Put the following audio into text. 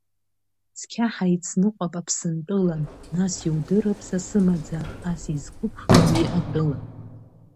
Цқьа ҳаицныҟәап Аԥсынтәылан нас иудырып са сымаӡа, ас изқәыԥшу уи атәыла.